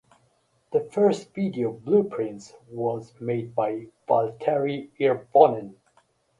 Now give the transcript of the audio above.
The first video Blueprints was made by Valtteri Hirvonen.